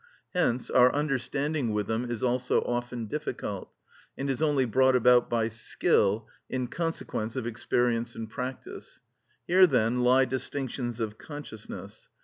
Hence our understanding with them is also often difficult, and is only brought about by skill, in consequence of experience and practice. Here then lie distinctions of consciousness.